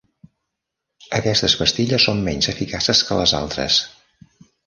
Aquestes pastilles són menys eficaces que les altres.